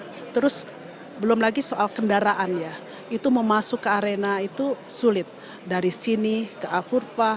masuk terus belum lagi soal kendaraan ya itu memasuki arena itu sulit dari sini ke akurpa